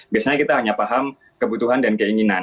biasanya kita hanya paham kebutuhan dan keinginan